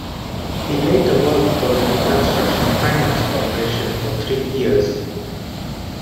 He later worked for the Reconstruction Finance Corporation for three years.